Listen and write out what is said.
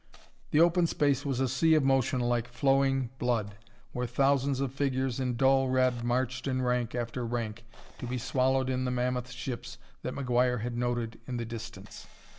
The open space was a sea of motion like flowing blood, where thousands of figures in dull red marched in rank after rank to be swallowed in the mammoth ships that McGuire had noted in the distance.